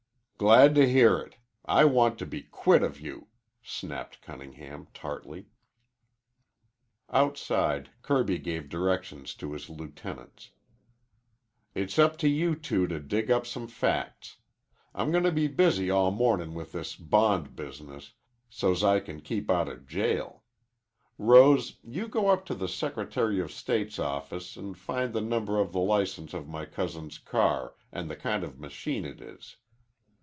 "Glad to hear it. I want to be quit of you," snapped Cunningham tartly. Outside, Kirby gave directions to his lieutenants. "It's up to you two to dig up some facts. I'm gonna be busy all mornin' with this bond business so's I can keep outa jail. Rose, you go up to the Secretary of State's office and find the number of the license of my cousin's car and the kind of machine it is.